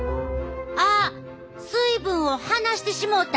あっ水分を離してしもうた。